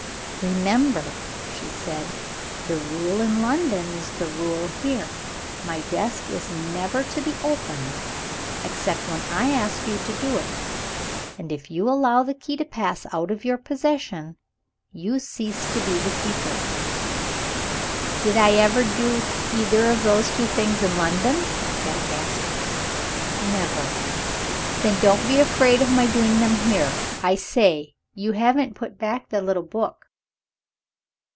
"Remember," she said, "the rule in London is the rule here. My desk is never to be opened, except when I ask you to do it. And if you allow the key to pass out of your own possession, you cease to be Keeper." "Did I ever do either of those two things in London?" Jack asked. "Never." "Then don't be afraid of my doing them here. I say! you haven't put back the little book."